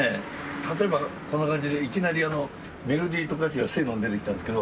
例えばこんな感じでいきなりメロディーと歌詞がせーので出てきたんですけど。